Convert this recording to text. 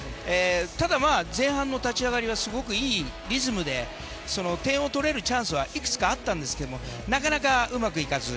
ただ、前半の立ち上がりはすごくいいリズムで点を取れるチャンスはいくつかあったんですがなかなかうまくいかず。